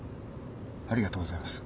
ありがとうございます。